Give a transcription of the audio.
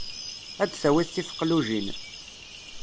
Ad d-tawiḍ tifeqlujin.